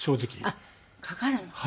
あっかかるの。